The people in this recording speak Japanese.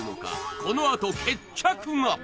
このあと決着が！